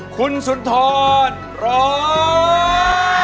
คุณสุธนห้อง